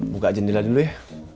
buka jendela dulu ya